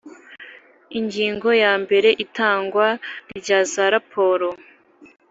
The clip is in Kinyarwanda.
Ingingo ya mbere Itangwa rya za raporo